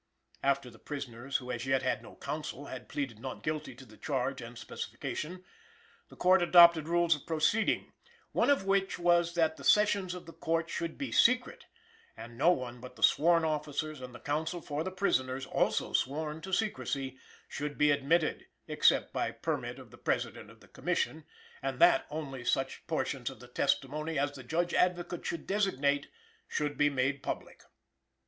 After the prisoners, who as yet had no counsel, had pleaded not guilty to the Charge and Specification, the Court adopted rules of proceeding one of which was that the sessions of the Court should be secret, and no one but the sworn officers and the counsel for the prisoners, also sworn to secrecy, should be admitted, except by permit of the President of the Commission; and that only such portions of the testimony as the Judge Advocate should designate should be made public.